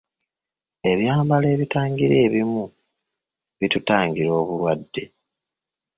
Ebyambalo ebitangira ebimu bitutangira obulwadde.